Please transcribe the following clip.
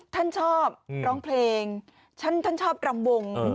ท่านชอบร้องเพลงท่านชอบรำวง